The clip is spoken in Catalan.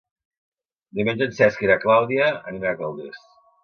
Diumenge en Cesc i na Clàudia aniran a Calders.